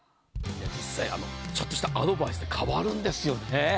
実際、ちょっとしたアドバイスで変わるんですよね。